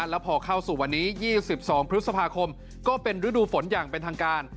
แล้วพอเข้าสู่วันนี้๒๒พฤษภาคมก็เป็นฤดูฝนอย่างเป็นทางการ